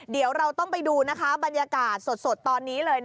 เดี๋ยวเราต้องไปดูบรรยากาศสดตอนนี้เลย